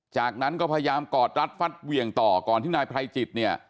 จากนั้นก็พยายามกอดรัดฟัดเหวี่ยงต่อก่อนที่นายไพรจิตเนี่ย